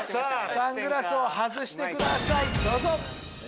サングラスを外してくださいどうぞ！